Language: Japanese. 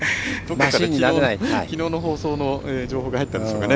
きのうの放送の情報が入ったんでしょうかね。